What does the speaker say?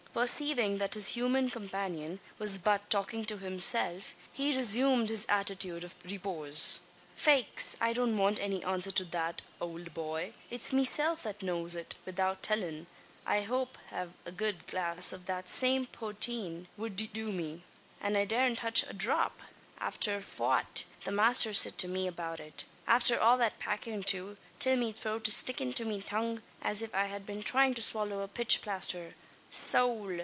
Perceiving that his human companion was but talking to himself, he resumed his attitude of repose. "Faix! I don't want any answer to that, owld boy. It's meself that knows it, widout tillin'. A hape av good a glass of that same potyeen would do me; and I dar'n't touch a dhrap, afther fwhat the masther sid to me about it. Afther all that packin', too, till me throat is stickin' to me tongue, as if I had been thryin' to swallow a pitch plaster. Sowl!